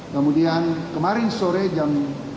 kemudian kemarin sore jam empat belas